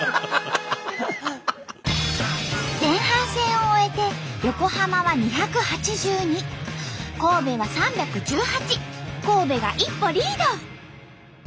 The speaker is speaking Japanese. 前半戦を終えて横浜は２８２神戸は３１８神戸が一歩リード！